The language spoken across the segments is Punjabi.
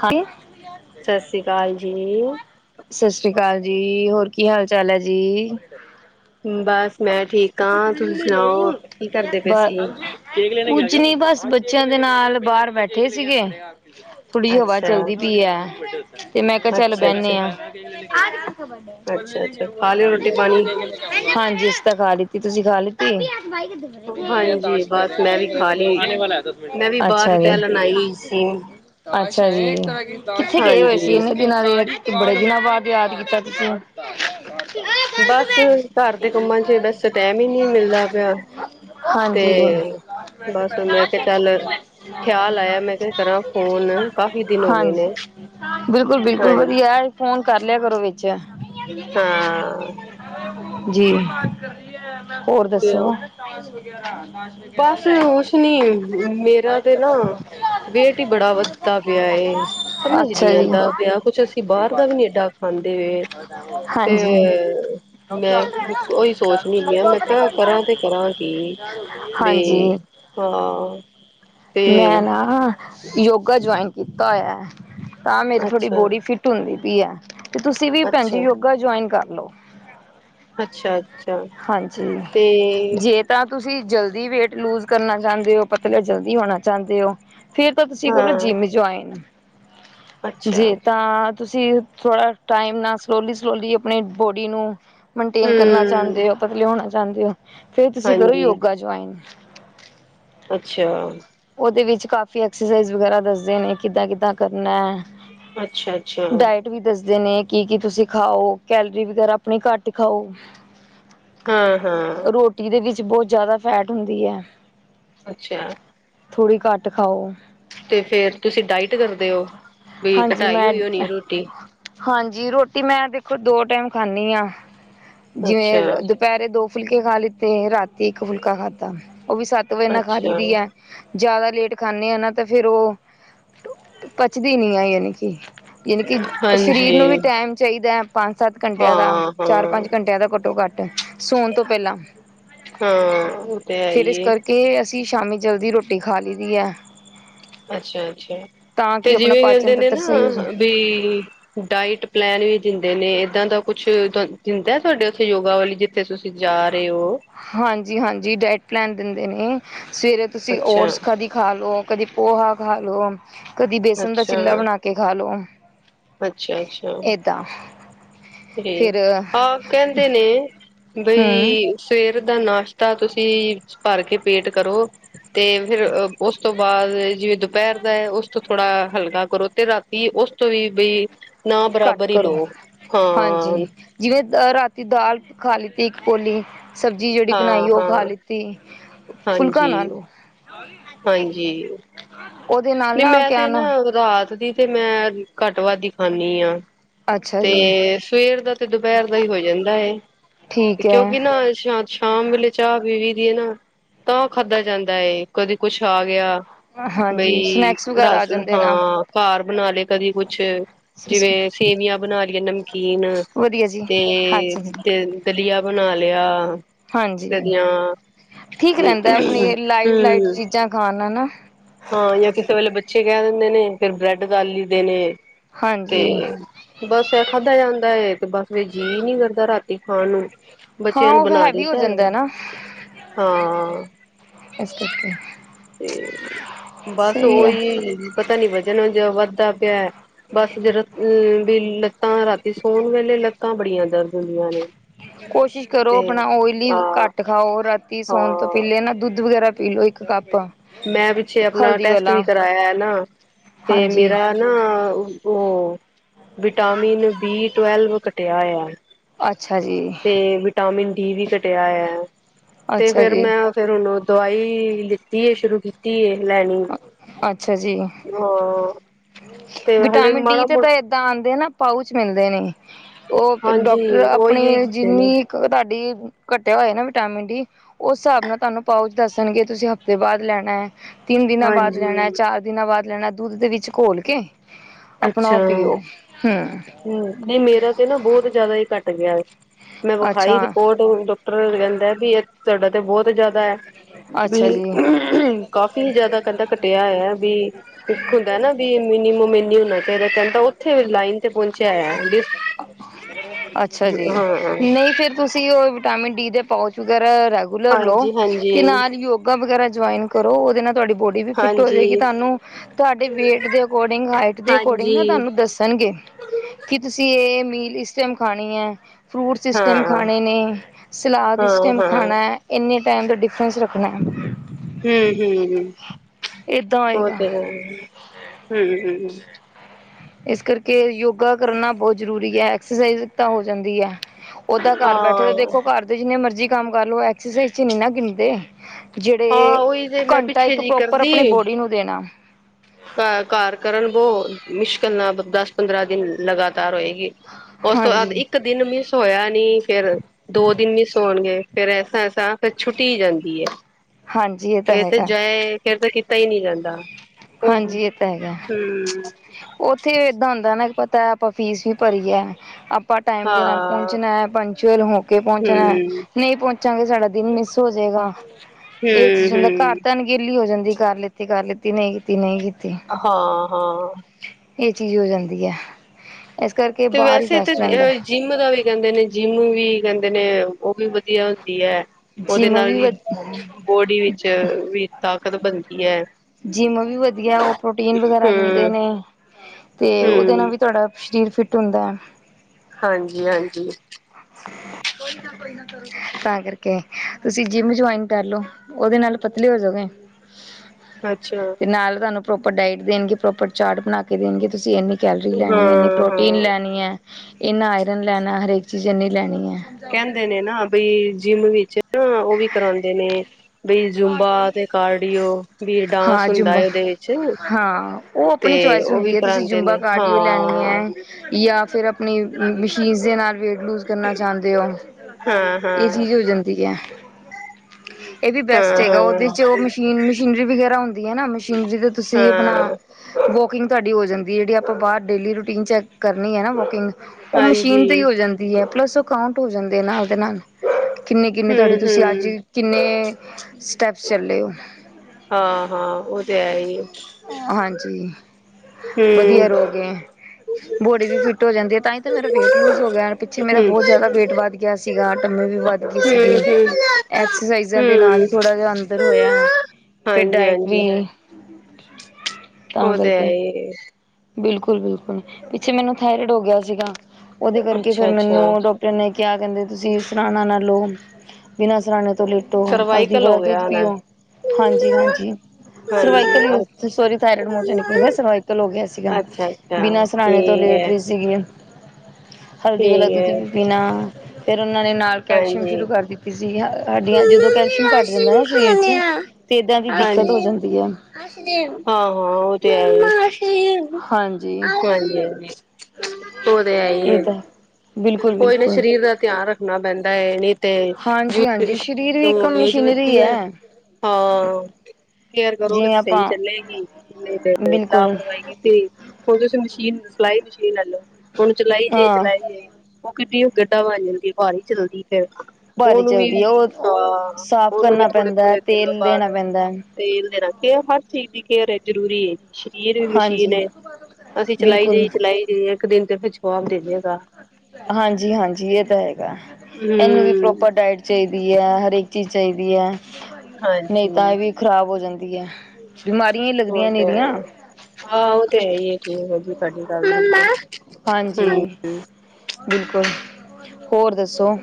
ਥਾ ਕੀ ਸਤ ਸ਼੍ਰੀ ਕਾਲ ਜੀ। ਸਤ ਸ਼੍ਰੀ ਕਾਲ ਜੀ। ਹੋਰ, ਕੀ ਹਾਲ ਚਾਲ ਹੈ ਜੀ? ਬਸ ਮੈਂ ਠੀਕ ਹਾਂ ਤੁਸੀਂ ਸੁਣਾਓ ਕੀ ਕਰਦੇ ਪਏ ਸੀ ਕੁਝ ਨੀ ਬਸ ਬੱਚਿਆਂ ਦੇ ਨਾਲ ਬਾਹਰ ਬੈਠੇ ਸੀਗੇ ਥੋੜ੍ਹੀ ਜਿ ਹਵਾ ਅੱਛਾ, ਚੱਲਦੀ ਪਈ ਹੈ ਤੇ ਮੈਂ ਕਿਹਾ ਚੱਲ ਅੱਛਾ, ਅੱਛਾ, ਬਹਿਨੇ ਆ ੋ ਅੱਛਾ, ਅੱਛਾ ਖਾ ਲਿਓ ਰੋਟੀ ਪਾਣੀ? ਹਾਂਜੀ ਅਸੀਂ ਤਾਂ ਖਾ ਲਿੱਤੀ ਤੁਸੀਂ ਖਾ ਲਿੱਤੀ ਹਾਂਜੀ, ਬਸ ਮੈਂ ਵੀ ਖਾ ਲਈ, ਮੈਂ ਵੀ ਬਾਹਰ ਅੱਛਾ ਜੀ ਟਹਿਲਣ ਆਈ ਸੀ। ਅੱਛਾ ਜੀ, ਕਿੱਥੇ ਗਏ ਹੋਏ ਸੀ? ਹਾਂਜੀ, ਏਨੂੰ ਦਿਨਾਂ ਦੇ ਬੜੇ ਦਿਨਾਂ ਬਾਦ ਯਾਦ ਕੀਤਾ ਤੁਸੀਂ। ਬਸ ਘਰ ਦੇ ਕੰਮਾਂ ਚ ਬਸ ਟੈਮ ਹੀ ਨਹੀਂ ਮਿਲਦਾ ਪਿਆ। ਹਾਂਜੀ। ਤੇ ਬਸ ਮੈਂ ਕਿਹਾ ਹਾਂਜੀ। ਚੱਲ ਖਿਆਲ ਆਇਆ ਮੈਂ ਕਿਹਾ ਕਰਾਂ ਫੋਨ, ਕਾਫ਼ੀ ਦਿਨ ਹੋ ਗਏ ਨੇ। ਬਿਲਕੁਲ ਬਿਲਕੁਲ ਹਾਂਜੀ, ਵਧੀਐ। ਫੋਨ ਕਰ ਲਿਆ ਕਰੋ ਹਾਂ ਵਿੱਚ‌।ਜੀ। ਹੋਰ ਤੇ ਦੱਸੋ? ਉਹ ਬਸ ਕੁਛ ਨੀ ਮੇਰਾ ਤੇ ਨਾ ਵੇਟ ਹੀ [unintelligible] ਬੜਾ ਵੱਧਦਾ ਪਿਆ ਏ, ਸਮਝ ਅੱਛਾ ਨੀ ਜੀ ਆਂਦਾ ਪਿਆ ਕੁਛ ਅਸੀਂ ਬਾਰ ਦਾ ਵੀ ਨੀ ਏਡਾ ਖਾਂਦੇ। ਹਾਂਜੀ ਤੇ ਮੈਂ [unintelligible] ਓਹੀ ਸੋਚਨੀ ਪੀਆਂ ਮੈਂ ਕਿਆ, ਕਰਾਂ ਤੇ ਕਰਾਂ ਕੀ? ਬੀ ਹਾਂਜੀ ਹਾਂ ਤੇ ਮੈਂ ਨਾ ਯੋਗਾ ਜੌਇਨ ਕੀਤਾ ਹੋਯੈ, ਤਾਂ ਮੇਰੀ ਥੌੜੀ ਅੱਛਾ ਬੋਡੀ ਫਿੱਟ ਹੁੰਦੀ ਪੀ ਐ। ਤੇ ਤੁਸੀਂ ਵੀ ਭੈਣ ਜੀ ਅੱਛਾ ਯੋਗਾ ਜੌਇਨ ਕਰ ਲੋ। ਅੱਛਾ, ਅੱਛਾ ਹਾਂਜੀ ਤੇ ਜੇ ਤਾਂ ਤੁਸੀਂ ਜਲਦੀ ਵੇਟ ਲੂਜ ਕਰਨਾ ਚਾਹੁੰਦੇ ਹੋ, ਪਤਲੇ ਜਲਦੀ ਹੋਣਾ ਚਾਹੁੰਦੇ ਹੋ ਫੇਰ ਤਾਂ ਤੁਸੀਂ ਕਰੋ ਹਾਂ ਜਿੰਮ ਜੌਇਨ। ਅੱਛਾ ਜੇ ਤਾਂ ਤੁਸੀਂ ਥੋੜ੍ਹਾ ਟਾਈਮ ਨਾਲ ਸਲੋਲੀ ਸਲੋਲੀ ਅਪਣੇ ਬੋਡੀ ਨੂੰ ਮੇਨਟੇਨ ਕਰਨਾ ਹੂੰ ਤਾਂ ਪਤਲੇ ਹੋਣਾ ਚਾਹੁੰਦੇ ਹੋ, ਫੇਰ ਤੁਸੀਂ ਕਰੋ ਹਾਂਜੀ ਯੋਗਾ ਜੌਇਨ। ਅੱਛਾ। ਓਦੇ ਵਿੱਚ ਕਾਫੀ ਐਕਸਰਸਾਈਜ਼ ਵਗੈਰਾ ਦਸਦੇ ਨੇ ਕਿੱਦਾਂ- ਕਿੱਦਾਂ ਕਰਨਾ ਹੈ। ਅੱਛਾ, ਅੱਛਾ। ਡਾਇਟ ਵੀ ਦੱਸਦੇ ਨੇ ਕੀ ਕੀ ਤੁਸੀਂ ਖਾਓ, ਕੈਲਰੀ ਵਗੈਰਾ ਅਪਣੀ ਘੱਟ ਖਾਓ। ਹਾਂ ਹਾਂ। ਟੀ ਦੇ ਵਿੱਚ ਬੌਤ ਜਿਆਦਾ ਫੈਟ ਹੁੰਦੀ ਐ। ਅੱਛਾ। ਥੋੜ੍ਹੀ ਘੱਟ ਖਾਓ। ਤੇ ਫੇਰ ਤੁਸੀਂ ਡਾਇਟ ਕਰਦੇ ਹੋ? ਬੀ ਹਾਂਜੀ ਕਟਾਈ ਮੈਂ ਹੋਈ ਹੋਣੀ ਏ ਰੋਟੀ? ਹਾਂਜੀ, ਰੋਟੀ ਮੈਂ ਦੇਖੋ ਦੋ ਟੈਮ ਖਾਂਦੀ ਆਂ। ਜਿਵੇਂ ਅੱਛਾ ਦੁਪੈਰੇ ਦੋ ਫੁਲਕੇ ਖਾ ਲਿੱਤੇ, ਰਾਤੀ ਇੱਕ ਫੁਲਕਾ ਖਾਧਾ, ਓਹ ਵੀ ਸੱਤ ਵਜੇ ਨਾਲ ਖਾਲੀ ਅੱਛਾ ਦੀ ਐ। ਜ਼ਿਆਦਾ ਲੇਟ ਖਾਂਦੇ ਹਾਂ ਨਾ ਤਾਂ ਫੇਰ ਉਹ ਪਚਦੀ ਨੀ ਆ ਯਾਨੀ ਕਿ ਯਣੀ ਕਿ ਸਰੀਰ ਹਾਂਜੀ ਨੂੰ ਵੀ ਟਾਈਮ ਚਾਹੀਦਾ ਹੈ ਪੰਜ ਸੱਤ ਘੰਟਿਆਂ ਦਾ ਹਾਂ ਚਾਰ ਹਾਂ ਪੰਜ ਘੰਟਿਆਂ ਦਾ ਘੱਟੋ ਘੱਟ ਸੌਣ ਤੋਂ ਪਹਿਲਾਂ ਹਾਂ ਉਹ ਤੇ ਹੈ ਫੇਰ ਹੀ ਇਸ ਏ ਕਰਕੇ ਕਿ ਅਸੀਂ ਸ਼ਾਮੀ ਜਲਦੀ ਰੋਟੀ ਖਾ ਲਈ ਦੀ ਹੈ। ਅੱਛਾ, ਅੱਛਾ ਤਾਂ ਤੇ ਕਿ ਆਪਣਾ ਜਿਵੇਂ ਪਾਚਨ ਕਹਿੰਦੇ ਨੇ ਤੰਤਰ ਨਾ ਸਹੀ ਹੋ ਜਾਏ ਵੀ- ਡਾਇਟ ਪਲੈਨ ਵੀ ਦਿੰਦੇ ਨੇ ਏਦਾਂ ਦਾ ਕੁਛ ਦਿੰਦਾ ਤੁਹਾਡੇ ਉੱਥੇ ਯੋਗਾ ਵਾਲੀ ਦੇ- ਜਿੱਥੇ ਤੁਸੀਂ ਜਾ ਰਹੇ ਹੋ ਹਾਂਜੀ ਹਾਂਜੀ ਡੈਟ ਪਲੈਨ ਦਿੰਦੇ ਨੇ ਸਵੇਰੇ ਤੁਸੀਂ ਅੱਛਾ ਔਰਸ ਖਾੀ ਖਾ ਲੋ, ਕਦੀ ਪੋਹਾ ਖਾ ਲੋ, ਕਦੀ ਬੇਸਨ ਦਾ ਅੱਛਾ ਚਿੱਲਾ ਬਣਾ ਕੇ ਖਾ ਲੋੋ ਅੱਛਾ, ਅੱਛਾ ਤੇ ਫਿਰ ਹਹ ਕਹਿੰਦੇ ਨੇ ਹੂੰ ਬਈ ਸਵੇਰ ਦਾ ਨਾਸ਼ਤਾ ਤੁਸੀਂ ਭਰ ਕੇ ਪੇਟ ਕਰੋ ਤੇ ਫਿਰ ਅ- ਓਸ ਤੋਂ ਬਾਦ ਜਿਵੇਂ ਦੁਪੈਰ ਦਾ ਐ, ਓਸ ਤੋਂ ਥੋੜਾ ਹਲਕਾ ਕਰੋ ਤੇ ਰਾਤੀ ਓਸ ਤੋਂ ਵੀ ਬਈ ਨਾ ਘੱਟ ਬਰਾਬਰ ਹੀ ਕਰੋ ਲੋ। ਹਾਂਜੀ, ਜਿਵੇਂ ਅ ਰਾਤੀ ਦਾਲ ਖਾ ਲਿੱਤੀ ਇੱਕ ਕੋੌਲੀ। ਸਬਜ਼ੀ ਜੇੜੀ ਹਾਂ ਬਣਾਈ ਓਹ ਖਾ ਹਾਂ ਲਿੱਤੀ, ਫੁਲਕਾ ਹਾਂਜੀ ਨਾ ਲੋ। ਹਾਂਜੀ, ਨਾਲ ਨਹੀਂ ਮੈਂ ਕਿਆ ਤੇ ਨਾਮ ਨਾ ਰਾਤ ਦੀ ਤੇ ਮੈਂ ਘੱਟ ਵੱਧ ਹੀ ਖਾਂਣੀ ਆਂ। ਅੱਛਾ ਜੀ ਤੇ ਸਵੇਰ ਦਾ ਤੇ ਦੁਪਹਿਰ ਦਾ ਹੀ ਹੋ ਜਾਂਦਾ ਹੈ ਠੀਕ ਕਿਉਂਕਿ ਨਾ ਹੈ ਸ਼ਾਂ ਸ਼ਾਮ ਵੇਲੇ ਚਾਹ ਪੀਵੀ ਦੀ ਹੈ ਨਾ ਤਾਂ ਖਾਧਾ ਜਾਂਦਾ ਕਦੇ ਕੁਛ ਆ ਗਿਆ ਹਾਂਜੀ ਬਈ ਸਨੈਕਸ ਵਗੈਰਾ ਆ ਰਸ ਜਾਂਦੇ ਨਾ ਹਾਂ ਘਰ ਬਣਾ ਲਏ ਕਦੀ ਕੁਛ- ਜਿਵੇਂ ਸੇਵੀਆਂ ਬਣਾ ਲਈਏ ਨਮਕੀਨ ਵਧੀਆ ਜੀ ਅੱਛਾ ਜੀ ਤੇ ਦਲੀਆ ਬਣਾ ਲਿਆ। ਹਾਂਜੀ ਕਧਆਂ ਠੀਕ ਜ ਰਹਿੰਦਾ ਹਮ ਆਪਣੀ ਲਾਈਟ ਲਾਈਟ ਚੀਜ਼ਾਂ ਖਾਣ ਨਾ ਹਾਂ ਜਾਂ ਕਿਸੇ ਵੇਲੇ ਬੱਚੇ ਕਹਿ ਦਿੰਦੇ ਨੇ ਫਿਰ ਬ੍ਰੈਡ ਤਾਲੀ ਦੇ ਨੇ- ਹਾਂਜੀ ਤੇ ਬਸ ਇਹ ਖਾਧਾ ਜਾਂਦਾ ਤੇ, ਬਸ ਵੀ ਜੀਅ ਨੀ ਕਰਦਾ ਰਾਤੀ ਖਾਣ ਨੂੰ ਬੱਚਿਆਂ ਹਾਂ ਨੂੰ ਉਹ ਬਣਾ ਹੈਵੀ ਹੋ ਦੀਤਾ ਜਾਂਦਾ ਨਾ ਹਾਂ ਅੱਛਾ, ਅੱਛਾ। ਤੇ ਬਸ ਸਹੀ ਹੈ ਉਹੀ, ਪਤਾ ਨੀ ਵਜ਼ਨ ਜਿਹ ਵੱਧਦਾ ਪਿਆ। ਬਸ ਜੜ ਵੀ ਲੱਤਾਂ ਰਾਤੀ ਸੋਣ ਵੇਲੇ ਲੱਤਾਂ ਬੜੀਆਂ ਦਰਦ ਹੁੰਦੀਆਂ ਨੇ। ਕੋਸ਼ਿਸ਼ ਕਰੋ ਤੇ ਆਪਣਾ ਓਇਲੀ ਹਾਂ ਘੱਟ ਖਾਓ, ਰਾਤੀ ਸੌਣ ਤੋਂ ਹਾਂ ਪੇਲੇ ਨਾ ਦੁੱਧ ਵਗੈਰਾ ਪੀ ਲਓ ਇ ਕੱਪ ਮੈਂ ਪਿੱਛੇ ਆਪਣਾ ਹਲਦੀ ਟੈਸਟ ਵਾਲਾ ਵੀ ਕਰਾਇਆ ਨਾ ਤੇ ਹਾਂਜੀ ਮੇਰਾ ਨਾ ਉਹ ਵਿਟਾਮਿਨ ਬੀ ਟਵੈਲਵ ਘਟਿਆ ਹੋਇਆ ਅੱਛਾ ਜੀ ਤੇ ਵਿਟਾਮਿਨ ਡੀ ਵੀ ਕਟਿਆ ਹੋਇਆ ਏ ਤੇ ਅੱਛਾ ਫੇਰ ਜੀ ਮੈਂ ਫਿਰ ਹੁਣ ਦਵਾਈ ਲਿੱਤ ਤੀ ਏ ਸ਼ੁਰੂ ਕੀਤੀ ਏ ਲੈਣੀ, ਅੱਛਾ ਜੀ ਹਾਂ। ਤੇ ਹਲੇ ਮਾੜਾ ਮੋਟਾ ਦਾਂ ਆਦੇ ਨਾ ਪਾਊਚ ਮਿਲਦੇ ਨੇ, ਉਹ ਹਾਂਜੀ ਡਾਕਟਰ ਉਹੀ ਆਪਣੀ ਦਿੱਤੇ ਨੇ ਜਿੰਨੀ ਕਿਉਂਕਿ ਤਾਡੀ ਕੱਟਿਆ ਹੋਇਆ ਵਿਟਾਮਿਨ ਡੀ। ਉਸ ਹਿਸਾਬ ਨਾਲ ਤੁਹਾਨੂੰ ਪਾਉਚ ਦੱਸਣਗੇ ਤੁਸੀਂ ਹਫ਼ਤੇ ਬਾਅਦ ਲੈਣਾ ਐ। ਤਿੰਨ ਦਿਨਾਂ ਬਾਅਦ ਲੈਣਾ, ਹਾਂਜੀ ਚਾਰ ਦਿਨਾਂ ਬਾਅਦ ਲੈਣਾ, ਦੁੱਧ ਦੇ ਵਿੱਚ ਘੋਲ ਕੇ ਅਪਣਾ ਓ ਅੱਛਾ ਪੀਓ। ਹੂੰ। ਹਮ, ਨਹੀਂ ਮੇਰਾ ਤੇ ਨਾ ਬਹੁਤ ਜ਼ਿਆਦਾ ਹੀ ਘੱਟ ਗਿਆ। ਮੈਂ ਵਿਖਾਈ ਅੱਛਾ ਰਿਪੋਰਟ ਡਾਕਟਰ ਕਹਿੰਦਾ ਵੀ ਇਹ ਤੁਹਾਡਾ ਤੇ ਬਹੁਤ ਜ਼ਿਆਦਾ ਐ, ਅੱਛਾ ਵੀ ਜੀ ਕਾਫੀ ਜਿਆਦਾ ਕਹਿੰਦਾ ਘਟਿਆ ਹੋਇਆ, ਵੀ ਇੱਕ ਹੁੰਦਾ ਨਾ ਵੀ ਮਿਨੀਮਮ ਇਨੀ ਨਾ ਫੇਰ ਕਹਿੰਦਾ ਉੱਥੇ ਲਾਈਨ ਤੇ ਪਹੁੰਚਿਆ ਹੋਇਆ। ਅੱਛਾ ਜੀ ਹਾਂ-ਹਾਂ। ਨਹੀਂ ਫਿਰ ਤੁਸੀਂ ਉਹ ਵਿਟਾਮਿਨ ਡੀ ਦੇ ਪਾਉਚ ਵਗੈਰਾ ਰੈਗੂਲਰ ਲਓ ਹਾਂਜੀ ਹਾਂਜੀ ਤੇ ਨਾਲ ਯੋ ਗਾ ਵਗੈਰਾ ਜਆਇਨ ਕਰੋ, ਉਹਦੇ ਨਾਲ ਤੁਹਾਡੀ ਬੋਰ ਡੀ ਵੀ ਫਿੱਟ ਹੋ ਹਾਂਜੀ ਜਾਏਗੀ, ਤੁਹਾਨੂੰ ਤੁਹਾਡੇ ਵੇਟ ਦੇ ਅਕੋਰਡਿੰਗ ਹਾਈਟ ਦੇ ਅਕੋਰਡਿੰਗ ਨਾ ਹਾਂਜੀ ਤੁਹਾਨੂੰ ਦੱਸਣਗੇ ਕੀ ਤੁਸੀਂ ਇਹ ਮੀਲ ਇਸ ਟਾਈਮ ਖਾਣੀ ਐਂ। ਫਰੂਟਸ ਇਸ ਟਾਈਮ ਹਾਂ ਹਾਂ ਖਾਣੇ ਨੇ, ਸਲਾਦ ਇਸ ਟਾਈਮ ਹਾਂ ਖਾਣਾ। ਇੰਨੇ ਟਾਈਮ ਦਾ ਡਿਫਰੈਂਸ ਰੱਖਣਾ। ਹੂੰ-ਹੂੰ-ਹੂੰ ਏਦਾਂ ਉਹ ਹੋਏਗਾ ਤੇ ਹੂੰ-ਹੂੰ। ਇਸ ਕਰਕੇ ਯੋਗਾ ਕਰਨਾ ਬਹੁਤ ਜ਼ਰੂਰੀ ਐ। ਐਕਸਰਸਾਈਜ਼ ਤਾਂ ਹੋ ਜਾਂਦੀ ਐ। ਓਦਾਂ ਘਰ ਬੈਠੇ ਹਾਂ ਤਾਂ ਦੇਖੋ ਘਰ ਦੇ ਜਿੰਨੇ ਮਰਜੀ ਕੰਮ ਕਰ ਲੋ ਐਕਸਰਸਾਈ ਚ ਨੀ ਨਾ ਗਿਂਦੇ। ਹਾਂ ਜਿਹੜੇ ਉਹੀ ਜੇ ਮੈਂ ਘੰਟਾ ਪਿੱਛੇ ਇੱਕ ਜੀ ਪ੍ਰੋਪਰ ਆਪਣੇ ਕਰਦੀ ਬੋਡੀ ਨੂੰ ਦੇਣਾ। ਘਰ ਕਰਨ ਬਹੋ ਮੁਸ਼ਕਿਲ ਨਾਲ ਦਸ ਪੰਦਰਾਂ ਦਿਨ ਲਗਾਤਾਰ ਹੋਏਗੀ। ਉਸ ਤੋਂ ਬਾਅਦ ਹਾਂਜੀ, ਇੱਕ ਦਿਨ ਮਿਸ ਹੋਇਆ ਨੀ ਫੇਰ ਦੋ ਦਿਨ ਮਿਸ ਹੋਣਗੇ ਫੇਰ ਐਸਾ-ਐਸਾ ਫਿਰ ਛੁੱਟੀ ਹੀ ਜਾਂਦੀ ਐ। ਹਾਂਜੀ। ਇਹ ਤਾਂ ਫੇਰ ਤੇ ਹੈਗਾ। ਜਾਏ, ਫੇਰ ਤੇ ਕੀਤਾ ਹੀ ਨਹੀਂ ਜਾਂਦਾ। ਉਹ ਹਾਂਜੀ ਇਹ ਤਾਂ ਹੈਗਾ ਹੰ ਉੱਥੇ ਏਦਾਂ ਹੁੰਦਾ ਨਾ ਪਤਾ, ਆਪਾਂ ਫੀਸ ਵੀ ਭਰੀ ਐ। ਆਪਾਂ ਟਾਈਮ ਦੇ ਨਾਲ ਹਾਂ ਪਹੁੰਚਣਾ ਪੰਚੁਅਲ ਹੋ ਕੇ ਪਹੁੰਚਣਾ। ਹਮ ਨਹੀਂ ਪਹੁੰਚਾਂਗੇ ਸਾਡਾ ਦਿਨ ਮਿਸ ਹੋ ਜਾਏਗਾ, ਇਹ ਚੀਜ਼ ਹਮ ਹੁੰਦਾ। ਘਰ ਹਮ ਤਾਂ ਨੀ ਗਿੱਲੀ ਹੋ ਜਾਂਦੀ। ਕਰ ਲਿੱਤੀ, ਕਰ ਲਿੱਤੀ, ਨਹੀਂ ਕੀਤੀ, ਨਹੀਂ ਕੀਤੀ। ਹਾਂ-ਹਾਂ। ਇਹ ਚੀਜ਼ ਹੋ ਜਾਂਦੀ ਹੈ, ਇਸ ਕਰਕੇ ਤੇ ਬਾਹਰ ਹੀ ਵੈਸੇ ਤੇ ਵੈਸਟ ਰਹਿੰਦਾ। ਜਿੰਮ ਦਾ ਵੀ ਕਹਿੰਦੇ ਨੇ ਜਿੰਮ ਵੀ ਕਹਿੰਦੇ ਨੇ ਉਹ ਵੀ ਵਧੀਆ ਹੁੰਦੀ ਹੈ। ਉਹਦੇ ਜਿੰਮ ਨਾਲ ਵੀ ਵ ਬੋਡੀ ਵਿੱਚ ਵੀ ਤਾਕਤ ਬਣਦੀ ਐ। ਜਿੰਮ ਵੀ ਵਧੀਆ, ਉਹ ਪ੍ਰੋਟੀਨ ਵਗੈਰਾ ਦਿੰਦੇ ਨੇ ਤੇ ਉਹਦੇ ਨਾਲ ਹੂੰ ਵੀ ਤੁਹਾਡਾ ਸਰੀਰ ਫਿੱਟ ਹੁੰਦਾ ਏ। ਹਾਂਜੀ-ਹਾਂਜੀ। ਕੋਈ ਨਾ, ਕੋਈ ਨਾ। ਤਾਂ ਕਰਕੇ ਤੁਸੀਂ ਜਿੰਮ ਜੁਆਇਨ ਕਰਲੋ, ਉਹਦੇ ਨਾਲ ਪਤਲੇ ਹੋ ਜੋਗੇ। [inaudible] ਅੱਛਾ ਤੇ ਨਾਲ ਤੁਹਾਨੂੰ ਪ੍ਰੋਪਰ ਡਾਇਟ ਦੇਣਗੇ, ਪ੍ਰੋਪਰ ਚਾਰਟ ਬਣਾ ਕੇ ਦੇਣਗੇ, ਤੁਸੀਂ ਇੰਨੀ ਕੈਲਰੀ ਲੈਣੀ ਇੰਨੀ ਹਾਂ ਪ੍ਰੋਟੀਨ ਹਾਂ ਲੈਣੀ ਹੈ ਇੰਨਾ ਆਇਰਨ ਲੈਣਾ ਹਰੇਕ ਚੀਜ਼ ਇਨੀ ਲੈਣੀ ਹੈ। ਪ ਕਹਿੰਦੇ ਨੇ ਨਾ ਬਈ ਜਿੰਮ ਵਿੱਚ ਨਾ ਉਹ ਵੀ ਕਰਾਉਦੇ ਨੇ। ਬਈ ਜੂੰਬਾ ਤੇ ਕਾਰਡੀਓ ਵੀ ਹਾਂ ਡਾਂਸ ਹੁੰਦਾ ਜੁੰਬਾ ਹਾਂ, ਉਹ ਆਪਣੀ ਤੇ ਚੋਆਇਸ ਉਹ ਹੁੰਦੀ ਵੀ ਹੈ ਤੁਸੀਂ ਕਰਾਉਂਦੇ ਜਿੰਬਾ ਨੇ ਕਾਰਡੀਓ ਲੈਣੀ ਹੈ। ਹਾਂ ਜਾਂ ਫਿਰ ਆਪਣੀ ਮਸ਼ੀਨਜ਼ ਦੇ ਨਾਲ ਲੂਜ ਕਰਨਾ ਚਾਹੁੰਦੇ ਹੋ, ਹਾਂ ਇਹ ਹਾਂ ਚੀਜ਼ ਹੋ ਜਾਂਦੀ ਹੈ। ਇਹ ਵੀ ਬਸਟ ਹਾਂ ਗਾ ਉਹਦੇ ਹਾਂ ਚ ਉਹ ਮਸ਼ੀਨ ਮਸ਼ੀਨਰੀ ਵਗੈਰਾ ਹੁੰਦੀ ਹੈ, ਹਾਂ ਵੋਕਿੰਗ ਤੁਹਾਡੀ ਹੋ ਜਾਂਦੀ ਹੈ ਜਿਹੜੀ ਆਪਾਂ ਉਹ ਮਸ਼ੀਨ ਤੇ ਹੀ ਹਾਂਜੀ ਹੋ ਜਾਂਦੀ ਹੈ, ਪਲੱਸ ਉਹ ਅਕਾਊਂਟ ਹੋ ਜਾਂਦੇ ਨਾ ਉਹਦੇ ਨਾਲ, ਕਿੰਨੇ ਕਿੰਨੇ ਤੁਹਾਡੇ ਤੁਸੀਂ ਅੱਜ ਹੂੰ-ਹੂੰ, ਕਿੰਨੇ ਸਟੈਪਸ ਚੱਲੇ ਹੋ। ਹਾਂ, ਹਾਂ, ਉਹ ਤੇ ਹੈ ਹੀ। ਹਾਂਜੀ, ਵਧੀਆ ਰਹੋਗੇ। ਬੋਡੀ ਵੀ ਫਿੱਟ ਹੋ ਜਾਂਦੀ ਹੈ ਤਾਂ ਹੀ ਮੇਰਾ ਵੇਟ ਲੂਜ ਹੋ ਗਿਆ ਪਿੱਛੇ ਮੇਰਾ ਬਹੁਤ ਜ਼ਿਆਦਾ ਵੇਟ ਵੱਧ ਗਿਆ। ਗਿਆ ਸੀ ਗਾ ਟਮੀ ਵੀ ਵੱਧ ਗਈ ਸੀ ਗੀ ਐਕਸਸਾਈਜ਼ਾਂ ਦੇ ਨਾਲ ਹੀ ਥੋੜਾ ਜਿਹਾ ਅੰਦਰ ਹੋਇਆ। ਫਿਰ ਡਾਇਟ ਹਾਂਜੀ-ਹਾਂਜੀ ਵੀ, [inaudible] [unintelligible] ਹੋ ਦੇਈ, ਬਿਲਕੁਲ-ਬਿਲਕੁਲ, ਪਿੱਛੇ ਮੈਨੂੰ ਥਾਇਰੋਡ ਹੋ ਗਿਆ ਸੀ ਗਾ, ਉਹਦੇ ਕਰਕੇ ਫਿਰ ਅੱਛਾ-ਅੱਛਾ ਮੈਨੂੰ ਡੋਕ ਨੇ ਕਿਆ ਕਹਿੰਦੇ ਤੁਸੀਂ ਸੁਰਾਣਾ ਨਾ ਲੋ, ਬਿਨਾਂ ਸਰਾਣੇ ਤੋਂ ਲੇਟ ਤੋ ਹਲਦੀ ਸਰਵਾਈਕਲ ਵਾਲਾ ਹੋ ਗਿਆ ਦੁੱਧ ਹੋਣਾ। ਪੀਓ, ਹਾਂਜੀ-ਹਾਂਜੀ। ਹਾਂਜੀ ਸਰਵਾਈਕਲ ਸੋਰੀ ਥਾਇਰੋਡ ਮੁੰਹ ਚੋ ਨਿਕਲ ਗਿਆ ਸਰਵਾਈਕਲ ਹੋ ਗਿਆ ਸੀਗਾ ਅੱਛਾ-ਅੱਛਾ ਬਿਨਾਂ ਸਰਾਣੇ ਤੋਂ ਠੀਕ ਲੇਟ ਹੈ ਰਹੀ ਸੀ ਗੇ ਹਲਦੀ ਵਾਲਾ ਠੀਕ ਹੈ ਦੁੱਧ ਵੀ ਪੀਣਾ ਫਿਰ ਉਹਨਾਂ ਨੇ ਨਾਲ ਕੈਲਸ਼ੀਅਮ ਹਾਂਜੀ। ਸ਼ੁਰੂ ਕਰ ਦਿੱਤੀ ਸੀ ਹੱਡੀਆਂ ਜਦੋਂ ਕੈਲਸ਼ੀਅਮ [unintelligible] ਘੱਟ ਜਾਂਦਾ ਸਰੀਰ ਚ, ਤੇ ਇੱਦਾ ਦੀ ਦਿੱਕਤ ਹੋ ਜਾਂਦੀ ਹੈ। ਹਾਂ-ਹਾਂ, ਉਹ ਤੇ ਐ। ਹਾਂਜੀ-ਹਾਂਜੀ, ਹਾਂਜੀ ਉਹ ਤੇ ਹੈ ਹੀ ਇਹ ਏ। ਤਾਂ ਬਿਲਕੁਲ ਕੋਈ ਨੀ ਬਿਲਕੁਲ ਸਰੀਰ ਦਾ ਧਿਆਨ ਰੱਖਣਾ ਪੈਂਦਾ ਏ ਨਹੀਂ ਤੇ ਹਾਂਜੀ ਹਾਂਜੀ ਸਰੀਰ ਵੀ ਇੱਕ ਮਸ਼ੀਨਰੀ ਹੈ [unintelligible] ਹਾਂ ਕੇਅਰ ਕਰੋਗੇ ਜਿਵੇਂ ਤੇ ਸਹੀ ਆਪਾਂ ਚੱਲੇਗੀ ਨੀ ਤੇ ਬਿਲਕੁਲ ਲਾਪਰਵਾਹੀ ਤੇ ਹੁਣ ਤੁਸੀਂ ਮਸ਼ੀਨ ਸਲਾਈ ਮਸ਼ੀਨ ਲੈ ਲੋ ਉਹਨੂੰ ਚਲਾਈ ਜੇ ਹਾਂ ਚਲਾਈ ਜੇ। ਉਹ ਗਡੀ ਉ ਗੱਡਾ ਵਣ ਜਾਂਦੀ ਬਾਹਲੀ ਹੀ ਚੱਲਦੀ ਫੇਰ ਭਾਰੀ ਉਹਨੂੰ ਵੀ ਚਲਦੀ ਹੈ ਉਹ ਹਾਂ ਸਾਫ਼ ਉਹਨੂੰ ਵੀ ਕਰਨਾ ਥੋੜੇ ਪੈਂਦਾ ਹੈ ਥੋੜੇ ਦਿਨਾਂ ਤੇਲ ਦੇਣਾ ਬਾਅਦ ਪੈਂਦਾ ਹੈ ਤੇਲ ਦੇ ਰ ਕੇਰ ਹਰ ਚੀਜ਼ ਦੀ ਕੇਅਰ ਹੈ ਜ਼ਰੂਰੀ ਏ। ਸਰੀਰ ਵੀ ਮਸ਼ੀਨ ਹਾਂਜੀ ਏ, ਅਸੀ ਚਲਾਈ ਬਿਲਕੁਲ ਜਾਈ ਚਲਾਈ ਜਾਈਏ ਇੱਕ ਦਿਨ ਤੇ ਫਿਰ ਜਵਾਬ ਦੇਦੇਗਾ। ਹਾਂਜੀ-ਹਾਂਜੀ ਇਹ ਤਾਂ ਹੈਗਾ ਇਹਨੂੰ ਵੀ ਹਮ ਪ੍ਰੋਪਰ ਡਾਇਟ ਚਾਹੀਦੀ ਹੈ ਹਰੇਕ ਚੀਜ਼ ਚਾਹੀਦੀ ਹੈ, ਨਹੀਂ ਹਾਂਜੀ ਤਾਂ ਇਹ ਵੀ ਖ਼ਰਾਬ ਹੋ ਜਾਂਦੀ ਹੈ। ਬਿਮਾਰੀਆਂ ਲੱਗਦੀਆਂ ਨਿਰੀਆਂ [unintelligible] ਹਾਂਜੀ ਬਿਲਕੁਲ, ਹੋਰ ਦੱਸੋ?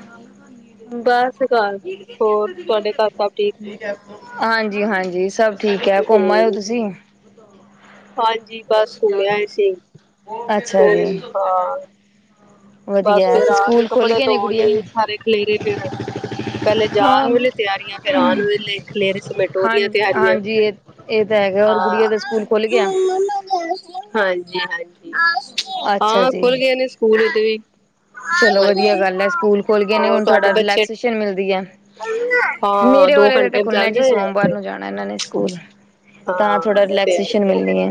ਬਸ ਕਰ, ਹੋਰ ਤੁਹਾਡੇ ਘਰ ਸਭ ਠੀਕ ਨੇ? ਹਾਂਜੀ-ਹਾਂਜੀ ਸਭ ਠੀਕ ਹੈ, ਘੁੰਮ ਆਓ ਹਮ ਤੁਸੀਂ? ਹਾਂਜੀ, ਬਸ ਘੁੰਮਿਆ ਆਏ ਸੀ। ਅੱਛਾ ਹੁਣ ਜੀ। ਹਾਂ ਬਸ ਵਧੀਆ ਫੇਰ ਤੇ ਆਕੇ ਸਕੂਲ ਖੁੱਲ ਕੱਪੜੇ ਗਏ ਨੇ ਧੋਨੇ ਗੁੜੀਆ ਦੇ? ਤੇ ਸਾਰੇ ਖਲੇਰੇ ਫੇਰ ਪਹਿਲੇ ਹਾਂ ਜਾਣ ਵੇਲੇ ਤਿਆਰੀਆ ਫੇਰ ਆਉਣ ਵੇਲੇ ਖਲੇਰੇ ਸਮੇਟੋ ਉਹ ਹਾਂ ਦੀਆਂ ਤਿਆਰੀਆ। ਹਾਂਜੀ ਇਹ ਇਹ ਤਾਂ ਹੈਗਾ ਆ ਔਰ ਗੁੜੀਆ ਦਾ ਸਕੂਲ ਖੁੱਲ ਗਿਆ ਹਾਂਜੀ-ਹਾਂਜੀ, ਅੱਛਾ ਹਾ ਜੀ ਖੁੱਲ ਗੲੇ ਨੇ ਸਕੂਲ ਹਾਂਜੀ ਹੋਰ ਤੁਹਾਡੇ ਬੱਚੇ [inaudible] ਹਾਂ ਦੋ ਘੰਟੇ ਜਾਂਦੇ ਤੇ [inaudible] ਹਾਂ ਥੋੜਾ ਉਹ ਤੇ ਹੈ ਹੀ ਰਿਲੈਕਸੇਸ਼ਨ ਹੈ ਮਿਲਣੀ ਹੈ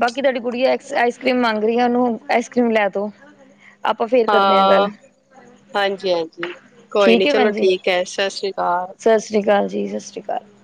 ਬਾਕੀ ਤੁਹਾਡੀ ਗੁੜੀਆ ਐਕਸ ਆਇਸ-ਕਰੀਮ ਮੰਗ ਰਹੀ ਹੈ, ਇਹਨੂੰ ਆਇਸ-ਕਰੀਮ ਲੈਦੋ। ਹਾਂ ਹਾਂਜੀ-ਹਾਂਜੀ, ਕੋਈ ਨੀ ਠੀਕ ਹੈ ਚਲੋ ਭੈਣ ਜੀ ਠੀਕ ਹੈ ਸਤਿ ਸ਼੍ਰੀ ਅਕਾਲ। ਸਤਿ ਸ਼੍ਰੀ ਅਕਾਲ ਜੀ ਸਤਿ ਸ਼੍ਰੀ ਅਕਾਲ।